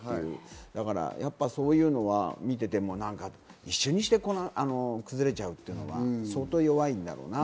だからそういうのは見ていても一瞬にして、崩れちゃうっていうのは相当、弱いんだろうなって。